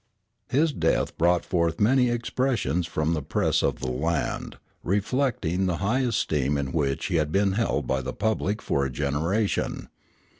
His death brought forth many expressions from the press of the land, reflecting the high esteem in which he had been held by the public for a generation.